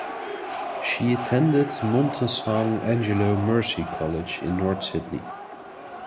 She attended Monte Sant' Angelo Mercy College in North Sydney.